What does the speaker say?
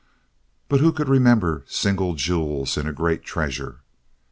But who could remember single jewels in a great treasure?